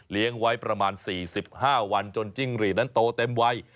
เลี้ยงไว้ประมาณ๔๕วันจนจิ้งหลีดนั้นโตเต็มไว